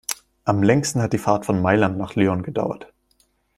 Am längsten hat die Fahrt von Mailand nach Lyon gedauert.